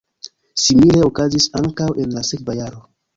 Simile okazis ankaŭ en la sekva jaro.